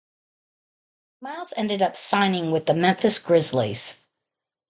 Miles ended up signing with the Memphis Grizzlies.